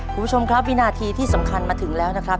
คุณผู้ชมครับวินาทีที่สำคัญมาถึงแล้วนะครับ